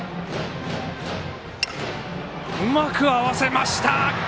うまく合わせました。